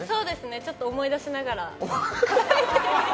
ちょっと思い出しながら。